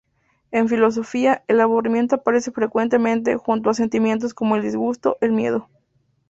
En filosofía, el aburrimiento aparece frecuentemente junto a sentimientos como el disgusto, el miedo.